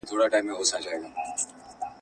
خاوند مېرمني ته د خپلي مادي شتمنۍ په اړه څه وايي؟